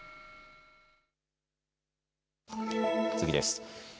次です。